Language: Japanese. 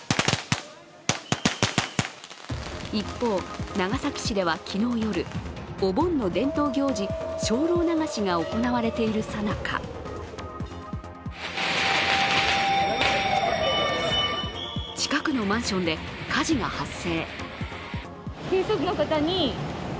一方、長崎市では昨日夜、お盆の伝統行事精霊流しが行われているさなか近くのマンションで火事が発生。